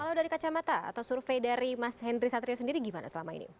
kalau dari kacamata atau survei dari mas henry satrio sendiri gimana selama ini